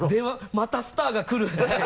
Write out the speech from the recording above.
「またスターが来る」っていう。